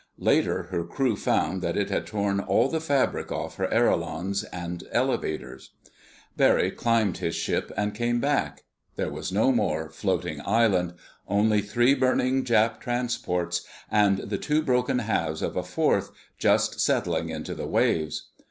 Later her crew found that it had torn all the fabric off her ailerons and elevators. Barry climbed his ship, and came back. There was no more "floating island"—only three burning Jap transports and the two broken halves of a fourth, just settling into the waves.